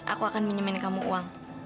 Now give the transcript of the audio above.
aku akan minjemen kamu uang